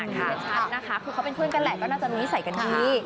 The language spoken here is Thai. คือเขาเป็นเพื่อนกันแหละก็น่าจะมีนิสัยกันดี